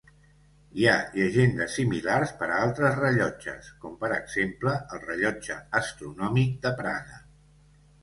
Hi ha llegendes similars per a altres rellotges, com per exemple, el rellotge astronòmic de Praga.